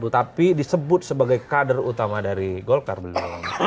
tapi disebut sebagai kader utama dari golkar beliau